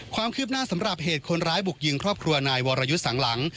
ความคืบหน้าสำหรับเหตุคนร้ายบุกยิงครอบครัวนายวรยุทธ์สังหลัง